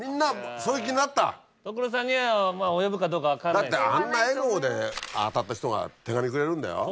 だってあんな笑顔で当たった人が手紙くれるんだよ？